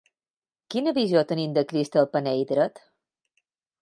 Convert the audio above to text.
Quina visió tenim de Crist al panell dret?